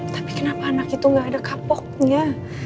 tapi kenapa anak itu gak ada kapoknya